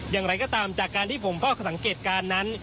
อย่างไรก็ตามจากการที่ผมเฝ้าสังเกตการณ์นั้น